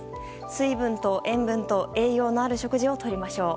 水分と塩分と栄養のある食事をとりましょう。